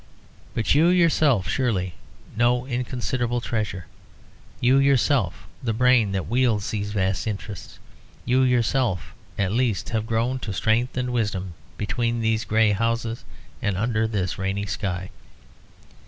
But you yourself surely no inconsiderable treasure you yourself, the brain that wields these vast interests you yourself, at least, have grown to strength and wisdom between these grey houses and under this rainy sky.